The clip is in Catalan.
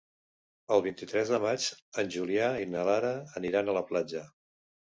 El vint-i-tres de maig en Julià i na Lara aniran a la platja.